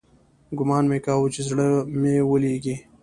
ګومان مې كاوه چې زړه مې ويلېږي.